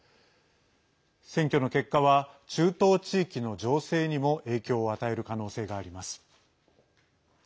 選挙の結果は中東地域の情勢にも影響を与える可能性があります。